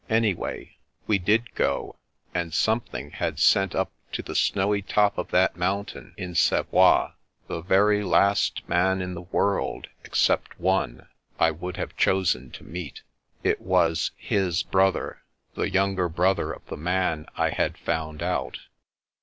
Anyway, we did go, and Some thing had sent up to the snowy top of that mountain in Savoie the very last man in the world — except one — I would have chosen to meet. It was — his brother — the younger brother of the man I had found out.